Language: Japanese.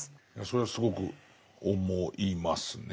それはすごく思いますね。